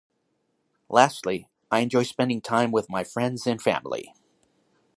Lastly, I enjoy spending time with my friends and family.